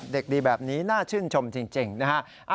เด็กดีแบบนี้น่าชื่นชมจริงนะฮะ